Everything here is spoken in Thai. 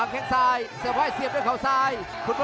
ต้องบอกว่าคนที่จะโชคกับคุณพลน้อยสภาพร่างกายมาต้องเกินร้อยครับ